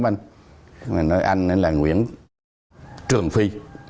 nói anh là nguyễn trường phi